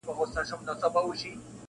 څوک دي نه ګوري و علم او تقوا ته,